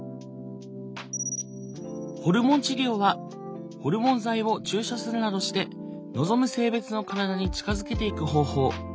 ホルモン治療はホルモン剤を注射するなどして望む性別の体に近づけていく方法。